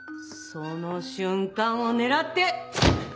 その瞬間を狙って！